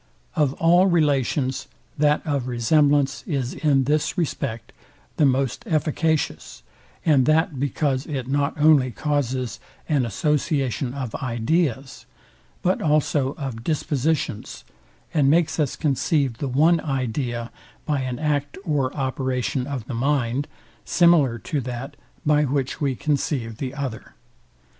Of all relations, that of resemblance is in this respect the most efficacious; and that because it not only causes an association of ideas, but also of dispositions, and makes us conceive the one idea by an act or operation of the mind, similar to that by which we conceive the other.